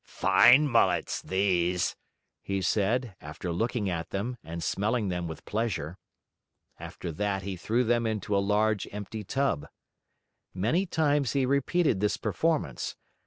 "Fine mullets, these!" he said, after looking at them and smelling them with pleasure. After that, he threw them into a large, empty tub. Many times he repeated this performance.